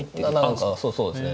何かそうですね。